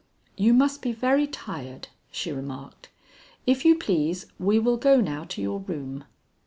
"You must be very tired," she remarked. "If you please we will go now to your room."